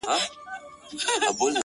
که مي د دې وطن له کاڼي هم کالي څنډلي ـ